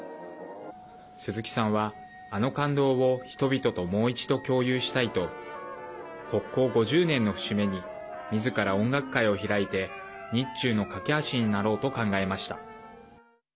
鈴木さんは、あの感動を人々ともう一度、共有したいと国交５０年の節目にみずから音楽会を開いて日中の懸け橋になろうと考えました。